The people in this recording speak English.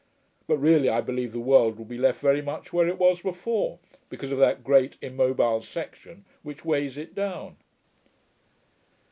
But really I believe the world will be left very much where it was before, because of that great immobile section which weighs it down.'